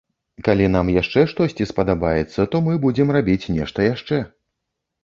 Калі нам яшчэ штосьці спадабаецца, то мы будзем рабіць нешта яшчэ.